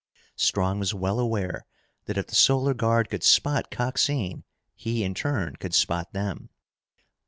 Strong was well aware that if the Solar Guard could spot Coxine, he in turn could spot them.